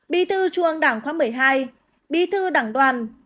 bí thư trung ương đảng khóa một mươi hai bí thư đảng đoàn